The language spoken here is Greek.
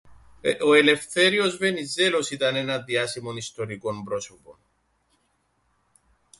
Ο Ελευθέριος Βενιζέλος ήταν ένα διάσημον ιστορικόν πρόσωπον.